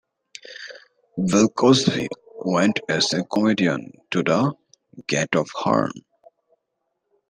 Bill Cosby went as a comedian to the "Gate of Horn".